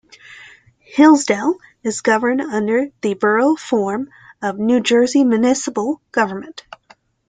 Hillsdale is governed under the Borough form of New Jersey municipal government.